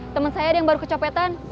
teman saya ada yang baru kecopetan